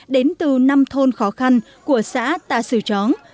đến từ năm thôn khó khăn của xã tà sư chóng